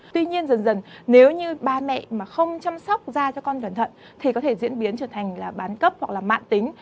tuy nhiên dần dần nếu như ba mẹ mà không chăm sóc da cho con cẩn thận thì có thể diễn biến trở thành là bán cấp hoặc là mạng tính